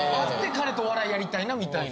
彼とお笑いやりたいなみたいな。